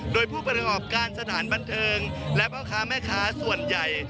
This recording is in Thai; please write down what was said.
โดยผู้ประกอบการสถานบันเทิงและพ่อค้าแม่ค้าส่วนใหญ่